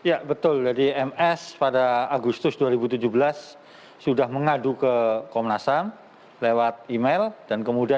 ya betul jadi ms pada agustus dua ribu tujuh belas sudah mengadu ke komnas ham lewat email dan kemudian